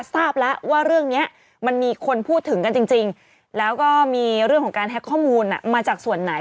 ทราบแล้วว่าเรื่องนี้มันมีคนพูดถึงกันจริงแล้วก็มีเรื่องของการแฮ็กข้อมูลมาจากส่วนไหน